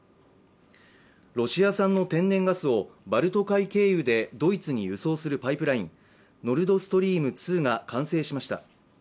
ロシア産の天然ガスをバルト海経由でドイツに輸送するパイプラインノルドストリーム２が完成しました。